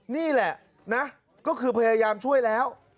นี่แหละนะก็คือพยายามช่วยแล้ว